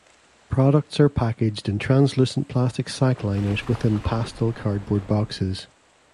Products are packaged in translucent plastic sack liners within pastel cardboard boxes.